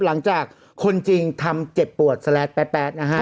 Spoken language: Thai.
หลังจากคนจริงทำเจ็บปวดแสลดแป๊ดนะฮะ